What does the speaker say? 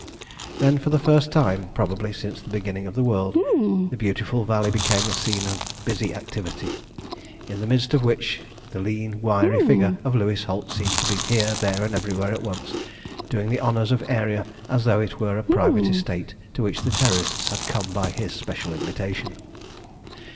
Then for the first time, probably, since the beginning of the world, the beautiful valley became the scene of a busy activity, in the midst of which the lean wiry figure of Louis Holt seemed to be here, there, and everywhere at once, doing the honours of Aeria as though it were a private estate to which the Terrorists had come by his special invitation.